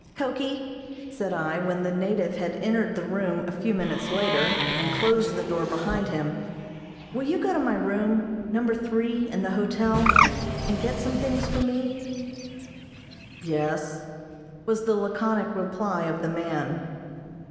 "Koki," said I, when the native had entered the room a few minutes later, and closed the door behind him, "will you go to my room Number three in the hotel, and get some things for me?" "Yes," was the laconic reply of the man.